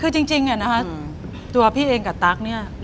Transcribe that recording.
คือจริงเนี่ยนะคะตัวพี่เองกับตั๊กเนี่ย